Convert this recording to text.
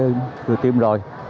người tiêm rồi